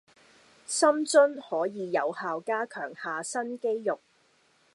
深蹲可以有效加強下身肌肉